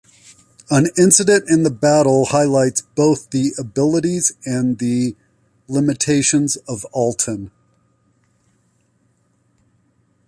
An incident in the battle highlights both the abilities and the limitations of Alten.